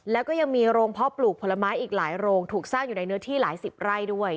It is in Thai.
แล้วก็ยังมีโรงเพาะปลูกผลไม้อีกหลายโรงถูกสร้างอยู่ในเนื้อที่หลายสิบไร่ด้วย